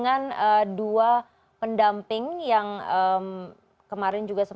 maupun dari pihak kepolisian